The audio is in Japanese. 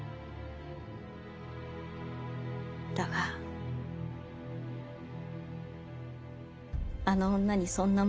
だがあの女にそんなものはない。